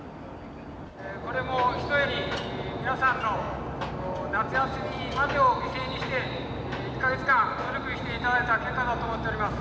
これもひとえに皆さんの夏休みまでを犠牲にして１か月間努力していただいた結果だと思っております。